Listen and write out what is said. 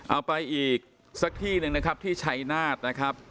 เอาไปอีกสักที่หนึ่งนะครับที่ชัยนาธนะครับ